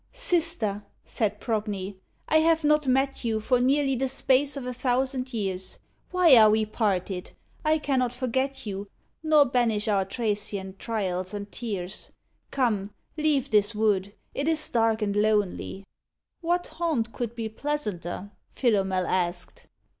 "Sister," said Progne, "I have not met you For nearly the space of a thousand years. Why are we parted? I cannot forget you, Nor banish our Thracian trials and tears. Come, leave this wood; it is dark and lonely." "What haunt could be pleasanter?" Philomel asked.